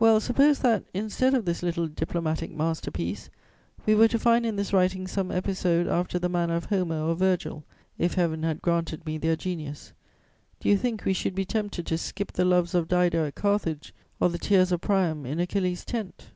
Well, suppose that, instead of this little diplomatic master piece, we were to find in this writing some episode after the manner of Homer or Virgil, if Heaven had granted me their genius: do you think we should be tempted to skip the loves of Dido at Carthage or the tears of Priam in Achilles' tent?